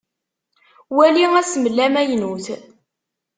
Wali asmel amaynut.